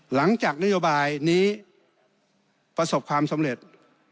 หลังจากนโยบายนี้ประสบความสำเร็จ